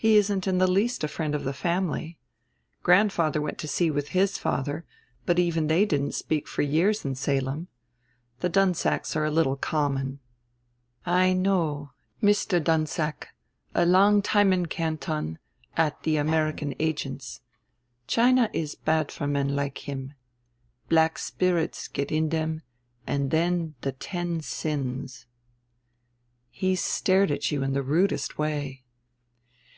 "He isn't in the least a friend of the family. Grandfather went to sea with his father, but even they didn't speak for years in Salem. The Dunsacks are a little common." "I know," Taou Yuen replied. "Mr. Dunsack a long time in Canton, at the American agents. China is bad for men like him. Black spirits get in them and the ten sins." "He stared at you in the rudest way."